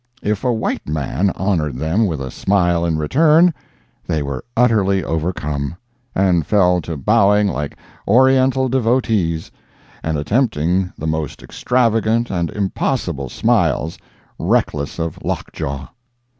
If a white man honored them with a smile in return, they were utterly overcome, and fell to bowing like Oriental devotees, and attempting the most extravagant and impossible smiles, reckless of lock jaw.